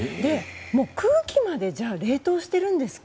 空気まで冷凍してるんですか？